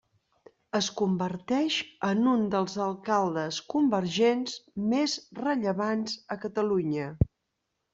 Es converteix en un dels alcaldes convergents més rellevants a Catalunya.